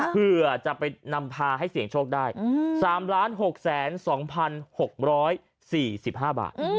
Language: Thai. เพื่อจะไปนำพาให้เสียงโชคได้อืมสามล้านหกแสนสองพันหกร้อยสี่สิบห้าบาทอืม